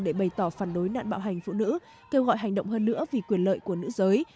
và phản đối nạn bạo hành phụ nữ kêu gọi hành động hơn nữa vì quyền lợi của nữ giới